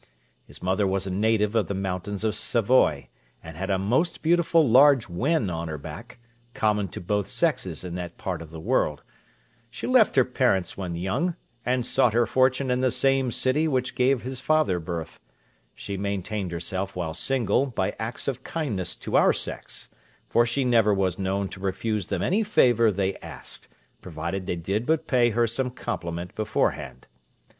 His mother was a native of the mountains of Savoy, and had a most beautiful large wen on her neck, common to both sexes in that part of the world; she left her parents when young, and sought her fortune in the same city which gave his father birth; she maintained herself while single by acts of kindness to our sex, for she never was known to refuse them any favour they asked, provided they did but pay her some compliment beforehand.